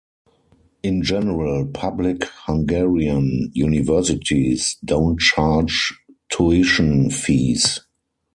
In general, public Hungarian universities don't charge tuition fees.